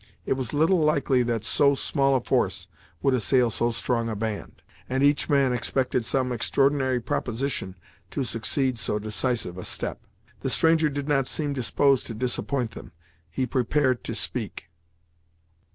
It was little likely that so small a force would assail so strong a band, and each man expected some extraordinary proposition to succeed so decisive a step. The stranger did not seem disposed to disappoint them; he prepared to speak.